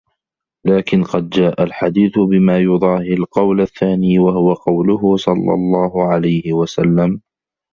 لَكِنْ قَدْ جَاءَ الْحَدِيثُ بِمَا يُضَاهِي الْقَوْلَ الثَّانِي وَهُوَ قَوْلُهُ صَلَّى اللَّهُ عَلَيْهِ وَسَلَّمَ